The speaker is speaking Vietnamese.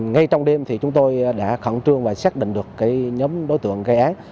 ngay trong đêm thì chúng tôi đã khẩn trương và xác định được nhóm đối tượng gây án